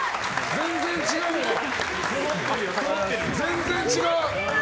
全然、違う。